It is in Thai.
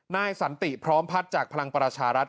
นายสันติพร้อมพัฒน์จากพลังประชารัฐ